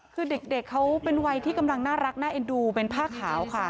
คือเด็กเขาเป็นวัยที่กำลังน่ารักน่าเอ็นดูเป็นผ้าขาวค่ะ